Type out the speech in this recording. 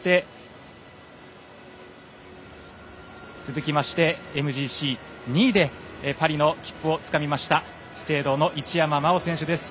続きましてＭＧＣ２位でパリの切符をつかみました資生堂の一山麻緒選手です。